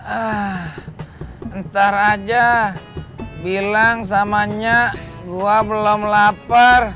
ah ntar aja bilang samanya gua belum lapar